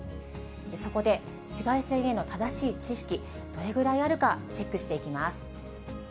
そこで、紫外線への正しい知識、どれぐらいあるか、チェックしていきます。